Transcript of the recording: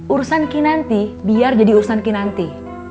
urusan kinanti biar jadi urusan kinanti